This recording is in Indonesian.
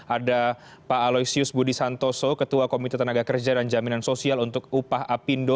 ada pak aloysius budi santoso ketua komite tenaga kerja dan jaminan sosial untuk upah apindo